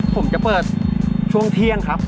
ผมจะเปิดช่วงเที่ยงครับ